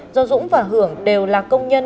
do dũng và hưởng đều là công nhân